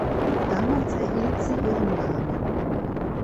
Damals erhielt sie ihren Namen.